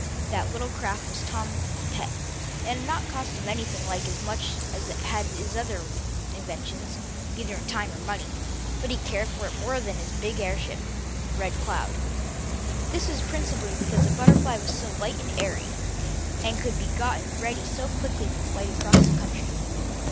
That little craft was Tom's pet. It had not cost him anything like as much as had his other inventions, either in time or money, but he cared more for it than for his big airship, RED CLOUD. This was principally because the BUTTERFLY was so light and airy, and could be gotten ready so quickly for a flight across country.